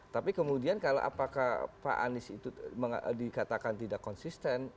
tapi kemudian kalau apakah pak anies itu dikatakan tidak konsisten